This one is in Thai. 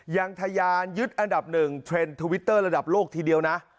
ทะยานยึดอันดับ๑เทรนด์ทวิตเตอร์ระดับโลกทีเดียวนะ